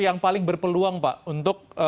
yang paling berpeluang pak untuk